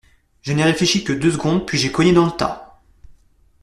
Je n’ai réfléchi que deux secondes, puis j’ai cogné dans le tas.